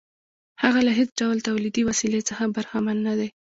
هغه له هېڅ ډول تولیدي وسیلې څخه برخمن نه دی